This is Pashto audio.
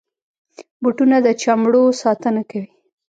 بوټونه د چمړو ساتنه کوي.